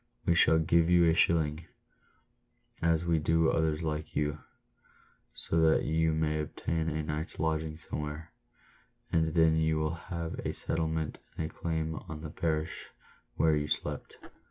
We shall give you a shilling, as we do others like you, so that you may obtain a night's lodging somewhere, and then you will have a settlement and a claim on the parish where you slept."